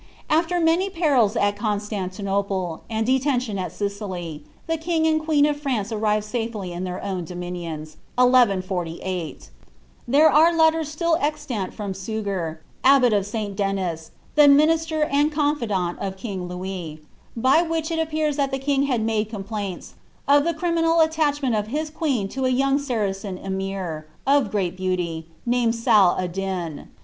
After many perds at ConslanliDople, and detention at Sicily, the king and queen of France arrived safely in their own dominions, 1N8 There are letters ' still extant from Suge'r, abbot of Sl Drnis, Uie minif ter and conlidant of king Louis, by which it appears that the king had made complaints, of the criminal attachment of his que«n to a yi>uiig Saracen emir, of great beauty, named Sal Addin.